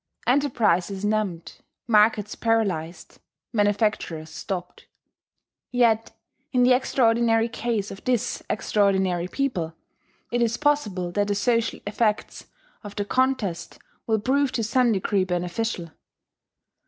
Enterprise is numbed, markets paralyzed, manufactures stopped. Yet, in the extraordinary case of this extraordinary people, it is possible that the social effects of the contest will prove to some degree beneficial.